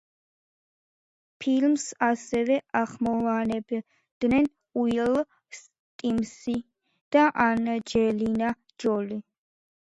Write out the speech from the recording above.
ფილმს ასევე ახმოვანებდნენ უილ სმიტი და ანჯელინა ჯოლი.